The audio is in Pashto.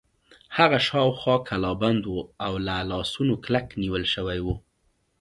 هغه شاوخوا کلابند و او له لاسونو کلک نیول شوی و.